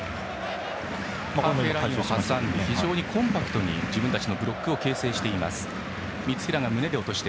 ハーフウェーラインを挟み非常にコンパクトに自分たちのブロックを形成しています。